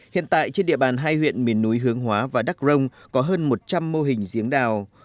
hiện tại trên địa bàn hai huyện miền núi hướng hóa và đắc rông có hơn một trăm linh mô hình giếng đào